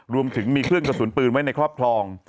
รวมถึงมีเครื่องกระสุนปืนไว้ในครอบครอง